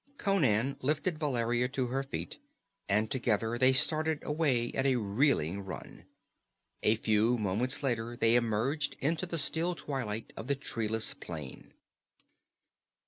Conan lifted Valeria to her feet and together they started away at a reeling run. A few moments later they emerged into the still twilight of the treeless plain.